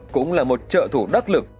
cũng là một trợ thủ đắc lực